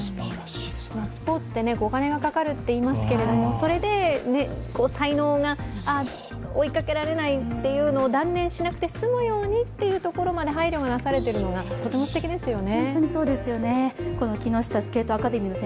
スポーツってお金がかかるっていいますけれどもそれで才能が追いかけられないというのを断念しなくて済むように配慮がなされているのがとてもすてきですよね。